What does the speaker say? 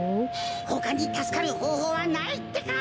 ほかにたすかるほうほうはないってか！